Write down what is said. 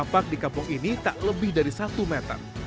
lapak di kampung ini tak lebih dari satu meter